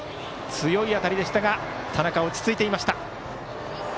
強い当たりでしたが田中、落ち着いていました。